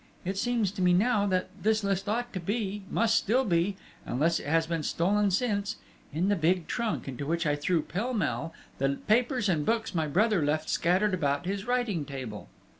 It seems to me now, that this list ought to be, must be still unless it has been stolen since in the big trunk, into which I threw, pell mell, the papers and books my brother left scattered about his writing table.